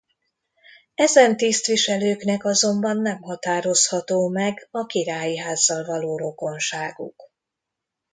Ezen tisztviselőknek azonban nem határozható meg a királyi házzal való rokonságuk.